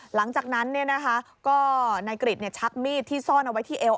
หลังจากนั้นก็นายกริจชักมีดที่ซ่อนเอาไว้ที่เอว